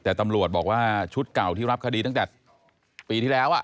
แต่ตำรวจบอกว่าชุดเก่าที่รับคดีตั้งแต่ปีที่แล้ว